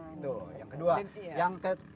itu yang kedua